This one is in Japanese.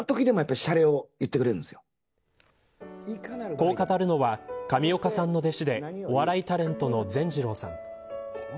こう語るのは上岡さんの弟子でお笑いタレントのぜんじろうさん。